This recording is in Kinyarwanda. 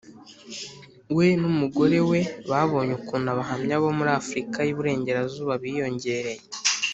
we n umugore we babonye ukuntu Abahamya bo muri Afurika y Iburengerazuba biyongereye